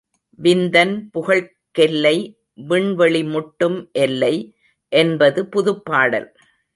விந்தன் புகழ்க்கெல்லை விண்வெளி முட்டும் எல்லை! என்பது புதுப்பாடல்!